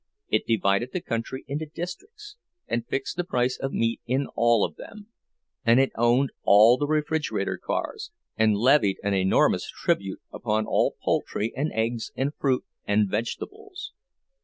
It divided the country into districts, and fixed the price of meat in all of them; and it owned all the refrigerator cars, and levied an enormous tribute upon all poultry and eggs and fruit and vegetables.